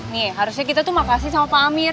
nih harusnya kita tuh makasih sama pak amir